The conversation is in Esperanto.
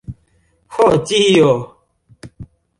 Ho dio!